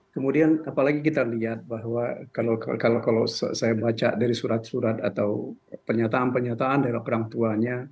kemudian apalagi kita lihat bahwa kalau saya baca dari surat surat atau pernyataan pernyataan dari orang tuanya